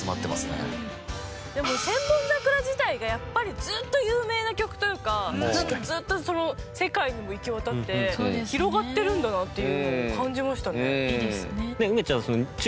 でも『千本桜』自体がやっぱりずっと有名な曲というかなんかずっと世界にも行き渡って広がってるんだなっていうのを感じましたね。